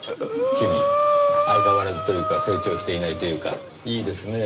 君相変わらずというか成長していないというかいいですねぇ。